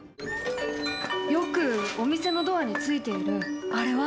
よくお店のドアについているあれは？